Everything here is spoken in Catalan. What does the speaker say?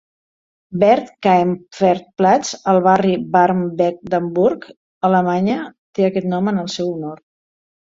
Bert-Kaempfert-Platz, al barri Barmbek d'Hamburg, Alemanya, té aquest nom en el seu honor.